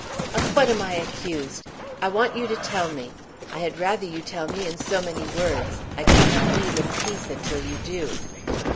"Of what am I accused? I want you to tell me. I had rather you would tell me in so many words. I cannot leave in peace until you do."